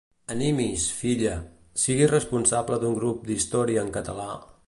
Animi’s, filla, sigui responsable d’un grup d’història en català...